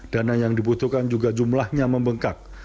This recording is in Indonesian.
dana yang dibutuhkan juga jumlahnya membengkak